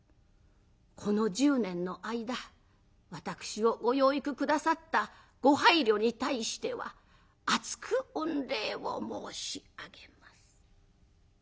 この１０年の間私をご養育下さったご配慮に対しては厚く御礼を申し上げます」。